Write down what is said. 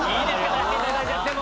出して頂いちゃっても。